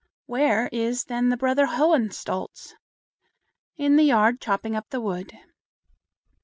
"Where is, then, the brother Hohenstolz?" "In the yard, chopping up the wood."